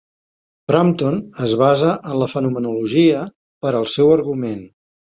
Frampton es basa en la fenomenologia per al seu argument.